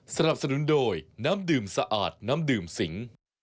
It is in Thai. สนับสนุนโดยน้ำดื่มสะอาดน้ำดื่มสิง